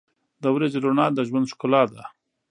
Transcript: • د ورځې رڼا د ژوند ښکلا ده.